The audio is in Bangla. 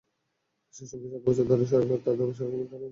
সেই সঙ্গে সাত বছর ধরে সরকার তাঁদের অবসরকালীন পাওনা পরিশোধ করছে না।